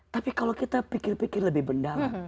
tapi kalau kita pikir pikir lebih bendalam